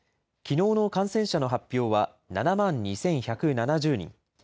きのうの感染者の発表は、７万２１７０人。